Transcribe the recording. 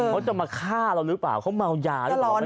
เขาจะมาฆ่าเราหรือเปล่าเขาเมายาหรือเปล่า